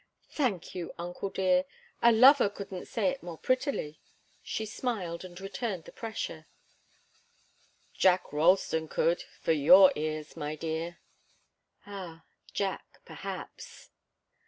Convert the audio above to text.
"Thank you, uncle dear! A lover couldn't say it more prettily." She smiled and returned the pressure. "Jack Ralston could for your ears, my dear." "Ah Jack perhaps!"